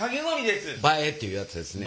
映えっていうやつですね。